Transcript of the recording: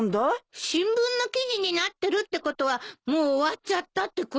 新聞の記事になってるってことはもう終わっちゃったってことじゃない？